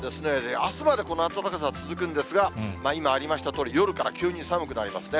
あすまでこの暖かさ、続くんですが、今ありましたとおり、夜から急に寒くなりますね。